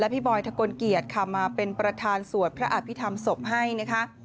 พี่บอยทะกลเกียรติค่ะมาเป็นประธานสวดพระอภิษฐรรมศพให้นะคะ